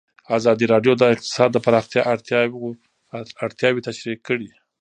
ازادي راډیو د اقتصاد د پراختیا اړتیاوې تشریح کړي.